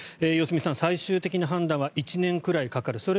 良純さん、最終的な判断は１年くらいかかる。